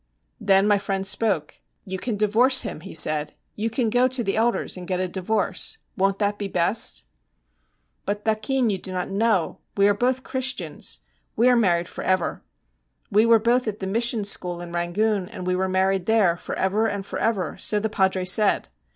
Then my friend spoke. 'You can divorce him,' he said; 'you can go to the elders and get a divorce. Won't that be best?' 'But, thakin, you do not know. We are both Christians; we are married for ever. We were both at the mission school in Rangoon, and we were married there, "for ever and for ever," so the padre said.